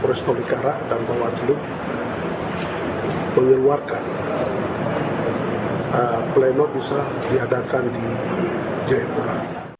kores tolikara dan bawaslu mengeluarkan pleno bisa diadakan di jayapura